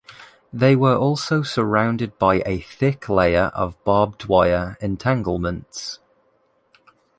They were also surrounded by a thick layer of barbed wire entanglements.